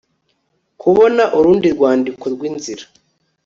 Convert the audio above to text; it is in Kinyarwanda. kubona urundi rwandiko rw inzira